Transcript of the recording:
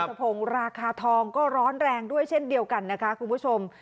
สะพงศ์ราคาทองก็ร้อนแรงด้วยเช่นเดียวกันนะคะคุณผู้ชม